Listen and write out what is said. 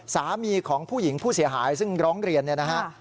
สามีของผู้หญิงผู้เสียหายซึ่งร้องเรียนเนี่ยนะฮะ